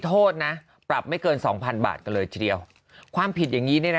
โทษนะปรับไม่เกิน๒๐๐๐บาทก็เลยเฉียวความผิดอย่างนี้นะ